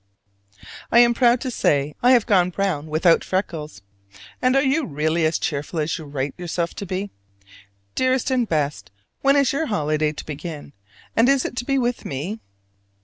I am proud to say I have gone brown without freckles. And are you really as cheerful as you write yourself to be? Dearest and best, when is your holiday to begin; and is it to be with me?